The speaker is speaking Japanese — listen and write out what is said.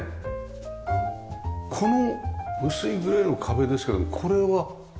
この薄いグレーの壁ですけどこれは？